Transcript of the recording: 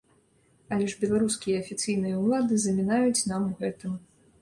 Але ж беларускія афіцыйныя ўлады замінаюць нам у гэтым.